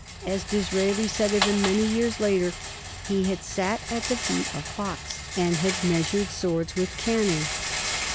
As Disraeli said of him many years later, he had sat at the feet of Fox and had measured swords with Canning.